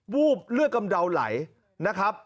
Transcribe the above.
วูบเลือดกำเดาไหลนะครับ